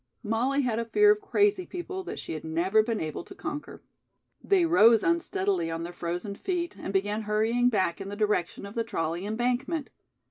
Molly had a fear of crazy people that she had never been able to conquer. They rose unsteadily on their frozen feet and began hurrying back in the direction of the trolley embankment.